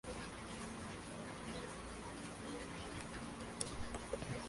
Los jainistas consideran la vida sagrada.